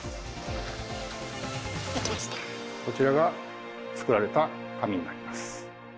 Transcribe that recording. こちらが作られた紙になります。